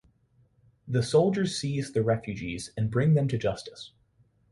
The soldiers seize the refugees and bring them to justice.